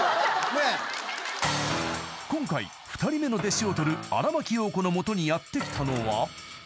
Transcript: ［今回２人目の弟子を取る荒牧陽子の元にやって来たのは］